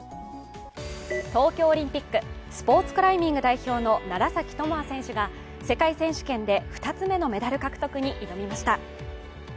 東京オリンピック、スポーツクライミング代表の楢崎智亜選手が世界選手権で２つ目のメダル獲得に挑みました。